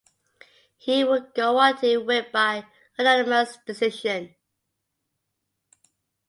He would go on to win by unanimous decision.